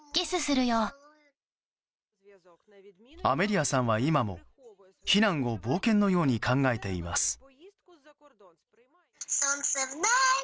アメリアさんは今も避難を冒険のように考えています。